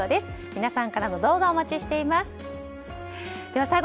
皆さんからの動画お待ちしています。